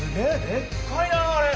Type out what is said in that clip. でっかいなあれ。